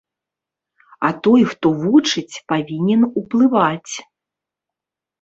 А той, хто вучыць, павінен уплываць!